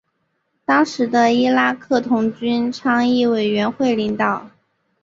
当时的伊拉克童军倡议委员会领导。